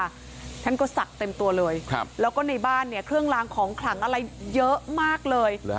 ท่านก็ศักดิ์เต็มตัวเลยครับแล้วก็ในบ้านเนี่ยเครื่องลางของขลังอะไรเยอะมากเลย